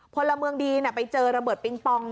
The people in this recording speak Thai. พลเมืองดีไปเจอระเบิดปิงปอง